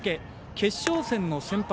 決勝戦の先発